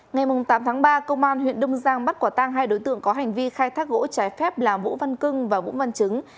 ngày tám tháng ba công an huyện đông giang bắt quả tang hai đối tượng có hành vi khai thác gỗ trái phép là vũ văn cưng và vũ văn chứng